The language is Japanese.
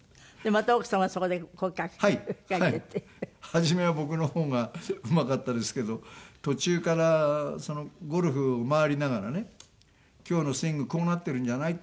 初めは僕のほうがうまかったですけど途中からゴルフを回りながらね「今日のスイングこうなってるんじゃない？」